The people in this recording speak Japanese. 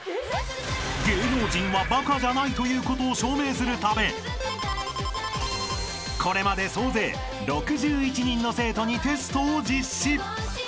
［ということを証明するためこれまで総勢６１人の生徒にテストを実施］